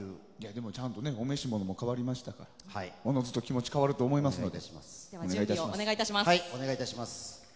でもお召し物も変わりましたからおのずと気持ちが変わると思いますので。